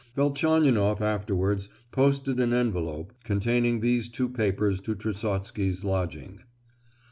Velchaninoff afterwards posted an envelope containing these two papers to Trusotsky's lodging.